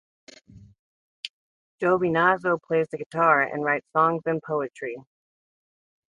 Giovinazzo plays the guitar, and writes songs and poetry.